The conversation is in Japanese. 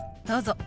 どうぞ。